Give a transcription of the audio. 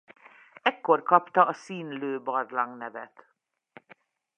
Ekkor kapta a Szinlő-barlang nevet.